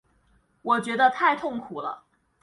我觉得太痛苦了